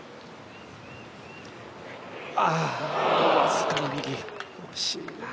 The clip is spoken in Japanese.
僅かに右、惜しいな。